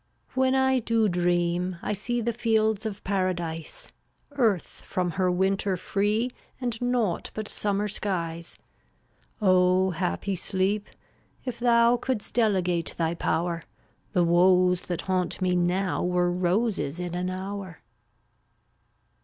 Omar 337 When I do dream I see The fields of paradise, Earth from her winter free, \£>£? And naught but summer skies. fftm/t Oh, happy sleep, if thou BUTHj Couldst delegate thy power, The woes that haunt me now Were roses in an hour.